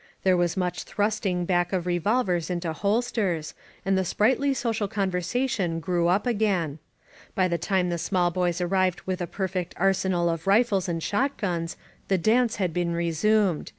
There was much thrusting back of revolvers into holsters, and the sprightly social conversation grew up again. By the time the small boys arrived with a per fect arsenal of rifles and shotguns, the dance had been resumed.